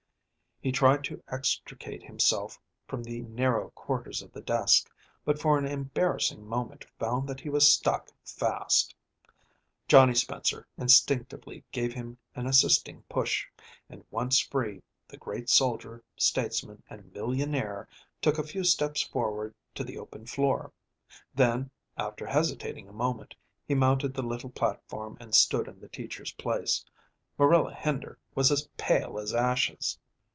He tried to extricate himself from the narrow quarters of the desk, but for an embarrassing moment found that he was stuck fast. Johnny Spencer instinctively gave him an assisting push, and once free the great soldier, statesman, and millionaire took a few steps forward to the open floor; then, after hesitating a moment, he mounted the little platform and stood in the teacher's place. Marilla Hender was as pale as ashes.